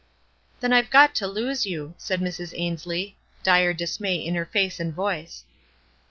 "Then IVe got to lose you," said Mrs. Ains lie, dire dismay in her face and voice.